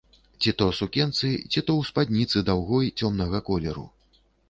Ці то сукенцы, ці то ў спадніцы даўгой цёмнага колеру.